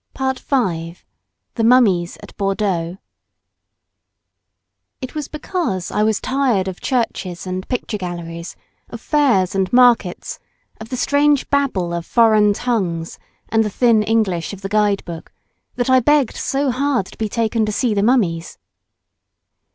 PART V.—THE MUMMIES AT BORDEAUX It was because I was tired of churches and picture galleries, of fairs and markets, of the strange babble of foreign tongues and the thin English of the guide book, that I begged so hard to be taken to see the mummies.